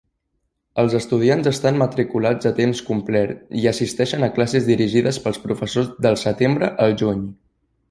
Els estudiants estan matriculats a temps complet i assisteixen a classes dirigides pels professors del setembre al juny.